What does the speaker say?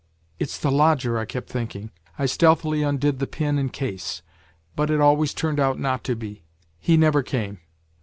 ' It's the lodger,' I kept thinking; I stealthily undid the pin in case. But it always turned out not to be, he never came.